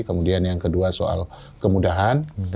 kemudian yang kedua soal kemudahan